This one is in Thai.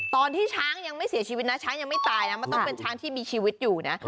ตอนที่ช้างยังไม่เสียชีวิตนะช้างยังไม่ตายนะมันต้องเป็นช้างที่มีชีวิตอยู่นะ